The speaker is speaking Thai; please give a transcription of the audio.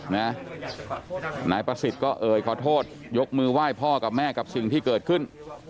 นายประสิทธิ์ก็เอ่ยขอโทษยกมือไหว้พ่อกับแม่กับสิ่งที่เกิดขึ้น